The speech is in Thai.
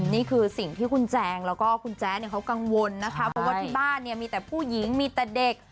นี่คือสิ่งที่คุณแจงแล้วก็คุณแจ๊ดเขากังวลนะคะเพราะว่าที่บ้านเนี่ยมีแต่ผู้หญิงมีแต่เด็ก